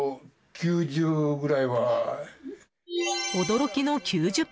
驚きの９０％。